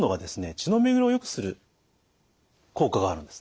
血の巡りをよくする効果があるんです。